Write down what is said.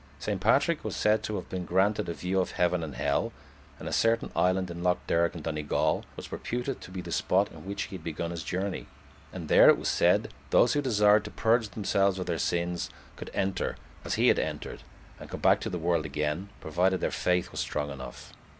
Saint Patrick was said to have been granted a view of heaven and hell, and a certain island in Lough Derg in Donegal was reputed to be the spot in which he had begun his journey; and there, it was said, those who desired to purge themselves of their sins could enter as he had entered and come back to the world again, provided their faith was strong enough.